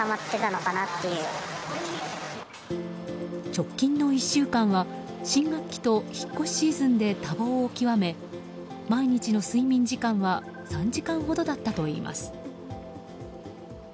直近の１週間は新学期と引っ越しシーズンで多忙を極め、毎日の睡眠時間は３時間ほどだったといいます。